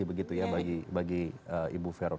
jadi begitu ya bagi ibu verun